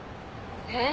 えっ？